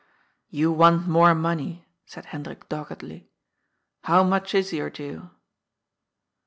" You want more money," said Hendrik doggedly. " How much is your due